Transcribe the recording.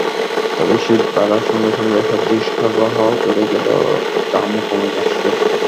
তবে শীত বাড়ার সঙ্গে সঙ্গে সবজির সরবরাহ বেড়ে গেলে দামও কমে আসবে।